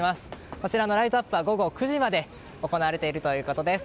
こちらのライトアップは午後９時まで行われているということです。